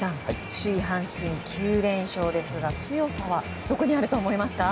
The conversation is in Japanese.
首位、阪神は９連勝ですが強さはどこにあると思いますか？